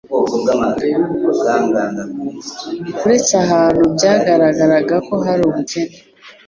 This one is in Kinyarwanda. Uretse ahantu byagaragaraga ko hari ubukene